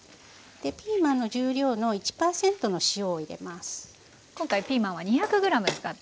ピーマンの重量の１％の塩を入れます。